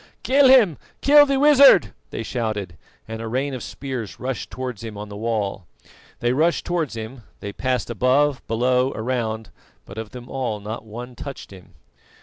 "Kill him! Kill the wizard!" they shouted, and a rain of spears rushed towards him on the wall. They rushed towards him, they passed above, below, around; but, of them all, not one touched him.